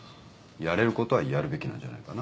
やれることはやるべきなんじゃないかな。